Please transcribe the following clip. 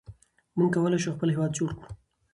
موږ کولای شو خپل هېواد جوړ کړو.